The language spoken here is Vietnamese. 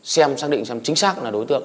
xem xác định xem chính xác là đối tượng